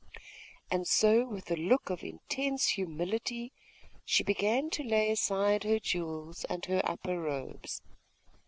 And so, with a look of intense humility, she began to lay aside her jewels and her upper robes.